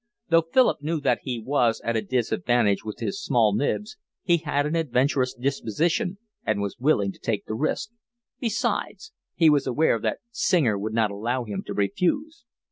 Though Philip knew that he was at a disadvantage with his small nibs, he had an adventurous disposition and was willing to take the risk; besides, he was aware that Singer would not allow him to refuse.